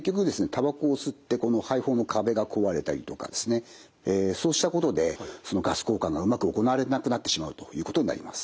タバコを吸ってこの肺胞の壁が壊れたりとかですねそうしたことでそのガス交換がうまく行われなくなってしまうということになります。